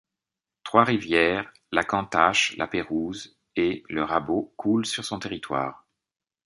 Trois rivières, la Cantache, la Pérouse et le Rabault, coulent sur son territoire.